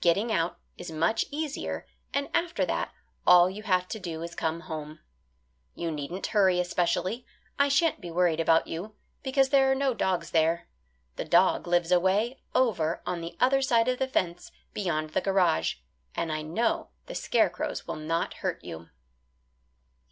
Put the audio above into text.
Getting out is much easier and after that all you have to do is to come home. You needn't hurry especially. I sha'n't be worried about you, because there are no dogs there the dog lives away over on the other side of the fence beyond the garage and I know the scarecrows will not hurt you."